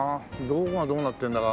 どこがどうなってんだか。